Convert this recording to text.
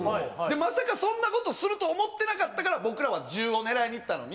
まさかそんなことすると思ってなかったから僕らは１０を狙いに行ったのに。